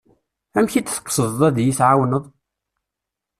Amek i d-tqesdeḍ ad yi-εawneḍ?